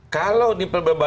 kalau di pembebasan